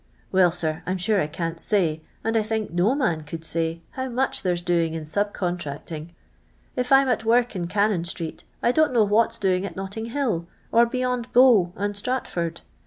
Well, sir, I 'm sure I can't say, and I think no man could say, how much there's doing in sub contracting. If I 'm at work in Cannon street, I don't know what 's doing at Notting hill, or be i yond Bow and Stratford.